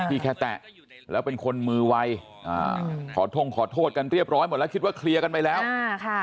แค่แตะแล้วเป็นคนมือไวอ่าขอท่งขอโทษกันเรียบร้อยหมดแล้วคิดว่าเคลียร์กันไปแล้วอ่าค่ะ